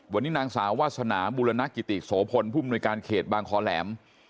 วันนี้นางสาววาสนาบุรณกิติโสพลผู้มนุยการเขตบางคอแหลม